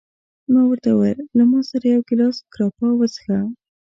ما ورته وویل: له ما سره یو ګیلاس ګراپا وڅښه.